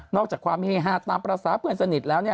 อกจากความเฮฮาตามภาษาเพื่อนสนิทแล้ว